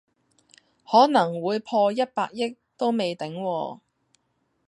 可能會破一百億都未頂喎